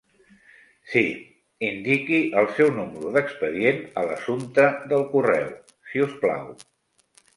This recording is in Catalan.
Sí, indiqui el seu número d'expedient a l'assumpte del correu, si us plau.